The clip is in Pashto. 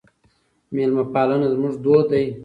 میلمه پالنه زموږ دود دی.